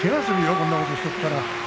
こんなことしとったら。